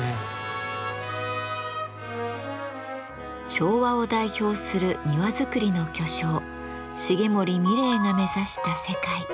昭和を代表する庭作りの巨匠重森三玲が目指した世界。